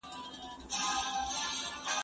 زه مخکي مېوې خوړلې وه